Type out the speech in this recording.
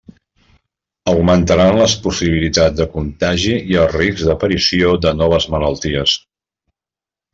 Augmentaran les possibilitats de contagi i el risc d'aparició de noves malalties.